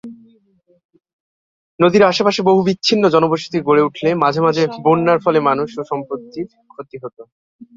নদীর আশেপাশে বহু বিচ্ছিন্ন জনবসতি গড়ে উঠলে মাঝে মাঝে বন্যার ফলে মানুষ ও সম্পত্তির ক্ষতি হত।